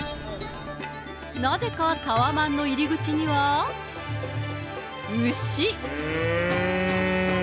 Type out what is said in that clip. なぜかタワマンの入り口には、牛。